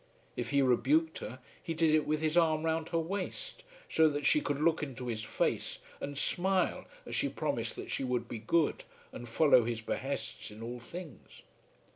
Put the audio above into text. If he rebuked her, he did it with his arm round her waist, so that she could look into his face and smile as she promised that she would be good and follow his behests in all things.